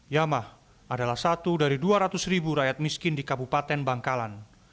yamah adalah satu dari dua ratus ribu rakyat miskin di kabupaten bangkalan